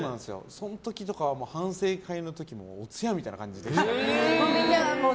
その時とかは反省会の時もお通夜みたいな感じでしたね。